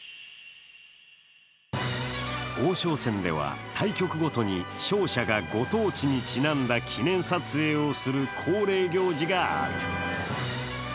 王将戦では、対局ごとに勝者がご当地にちなんだ記念撮影をする恒例行事がある。